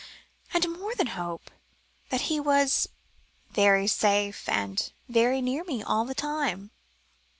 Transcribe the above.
and more than hope that he was very safe, and very near me all the time."